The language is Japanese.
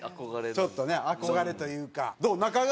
ちょっとね憧れというか。